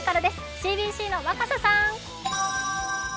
ＣＢＣの若狭さん。